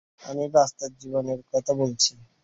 আমি বাস্তব জীবনের কথা বলছি।